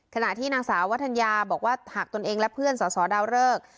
ขณะที่นางสาววัฒนยาบอกว่าหากตนเองและเพื่อนสอสอดาวเลิก